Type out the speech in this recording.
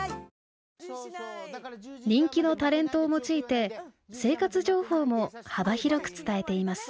人気のタレントを用いて生活情報も幅広く伝えています。